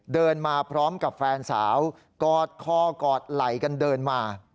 เดินมาพร้อมกับแฟนสาวกอดคอกอดไหล่กันเดินมา